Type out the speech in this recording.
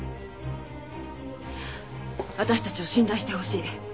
私たちを信頼してほしい。